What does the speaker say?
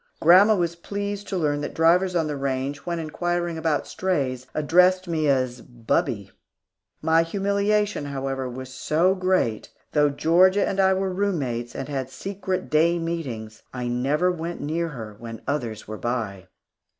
Grandma was pleased to learn that drivers on the range, when inquiring about strays, addressed me as "Bubbie." My humiliation, however, was so great that, though Georgia and I were room mates, and had secret day meetings, I never went near her when others were by.